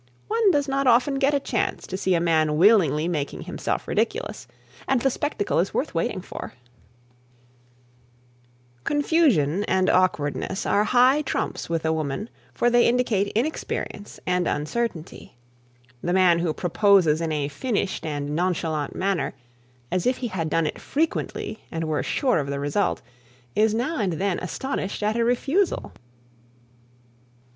One does not often get a chance to see a man willingly making himself ridiculous, and the spectacle is worth waiting for. [Sidenote: Confusion and Awkwardness] Confusion and awkwardness are high trumps with a woman, for they indicate inexperience and uncertainty. The man who proposes in a finished and nonchalant manner, as if he had done it frequently and were sure of the result, is now and then astonished at a refusal.